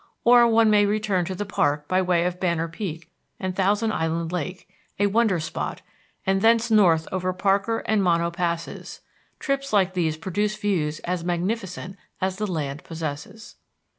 Or one may return to the park by way of Banner Peak and Thousand Island Lake, a wonder spot, and thence north over Parker and Mono Passes; trips like these produce views as magnificent as the land possesses.